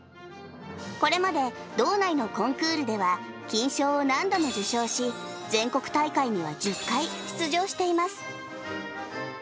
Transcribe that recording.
これまで、道内のコンクールでは金賞を何度も受賞し、全国大会には１０回出場しています。